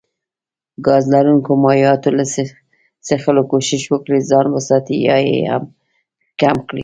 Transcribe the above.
ګاز لرونکو مايعاتو له څښلو کوښښ وکړي ځان وساتي يا يي هم کم کړي